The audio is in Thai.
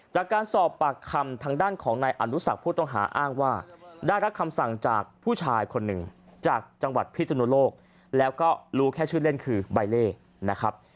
จากการสอบปากคำทางด้านของนายอนุสักผู้ต้องหาอ้างว่าได้รับคำสั่งจากผู้ชายคนหนึ่งจากจังหวัดพิศนุโลกแล้วก็รู้แค่ชื่อเล่นคือใบเล่นะครับ